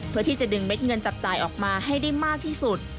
เพื่อที่จะดึงเม็ดเงินจับจ่ายออกมาให้ได้มากที่สุด